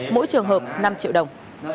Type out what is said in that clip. mỗi trường hợp năm triệu đồng